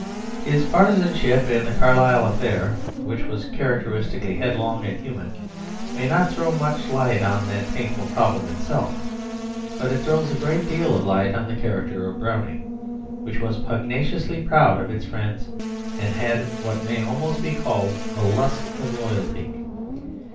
His partisanship in the Carlyle affair, which was characteristically headlong and human, may not throw much light on that painful problem itself, but it throws a great deal of light on the character of Browning, which was pugnaciously proud of its friends, and had what may almost be called a lust of loyalty.